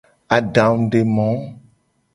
Adangudemo.